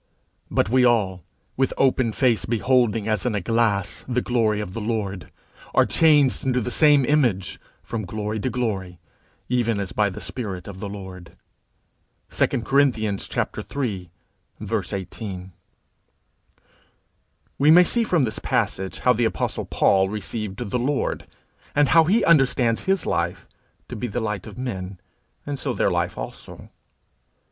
_But we all, with open face beholding as in a glass the glory of the Lord, are changed into the same image from glory to glory, even as by the spirit of the Lord_. II. Corinthians iii. 18. We may see from this passage how the apostle Paul received the Lord, and how he understands his life to be the light of men, and so their life also.